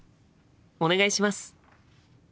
お願いします！